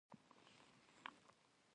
د ټکنالوجۍ موخه د انساني کار اسانتیا ده.